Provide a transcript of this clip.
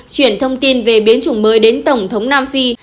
chuyển thông tin về biến chủng mới đến tổng thống nam phi